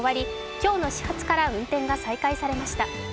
今日の始発から運転が再開されました。